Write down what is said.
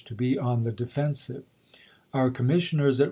to be on the defensive. "Oiu commissioners at \.